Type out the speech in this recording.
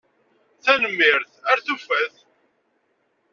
Tanemmirt! Ar tufat!